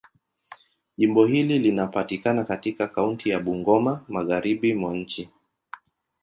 Jimbo hili linapatikana katika kaunti ya Bungoma, Magharibi mwa nchi.